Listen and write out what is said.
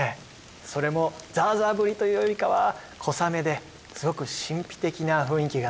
それもザーザー降りというよりかは小雨ですごく神秘的な雰囲気がします。